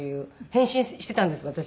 変身してたんです私。